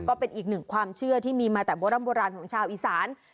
ก็เป็นอีกหนึ่งความเชื่อที่มีมาแต่โบร่ำโบราณของชาวอีสาน